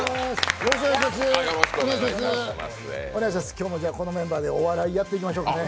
今日もこのメンバーでお笑いやりましょうね。